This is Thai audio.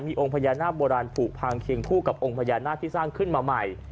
มีองค์พญานาคโบราณผูกพังเคียงคู่กับองค์พญานาคที่สร้างขึ้นมาใหม่